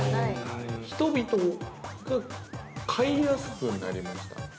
◆人々が買いやすくなりました？